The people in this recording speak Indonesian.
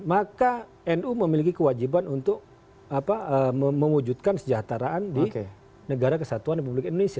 maka nu memiliki kewajiban untuk memwujudkan sejahteraan di negara kesatuan dan di publik indonesia